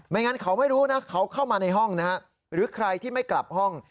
งั้นเขาไม่รู้นะเขาเข้ามาในห้องนะฮะหรือใครที่ไม่กลับห้อง